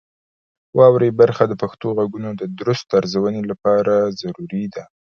واورئ برخه د پښتو غږونو د درست ارزونې لپاره ضروري ده.